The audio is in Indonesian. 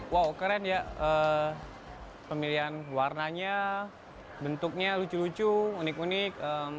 wow keren ya pemilihan warnanya bentuknya lucu lucu unik unik